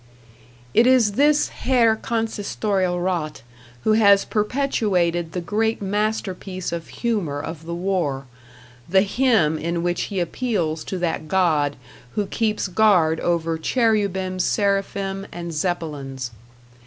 It is this Herr Consistorialrat who has perpetrated the great masterpiece of humor of the war the hymn in which he appeals to that God who keeps guard over Cherubim, Seraphim, and Zeppelins.